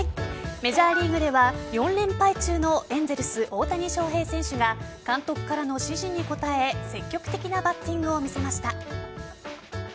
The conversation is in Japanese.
メジャーリーグでは４連敗中のエンゼルス・大谷翔平選手が監督からの指示に応え積極的なバッティングを見せました。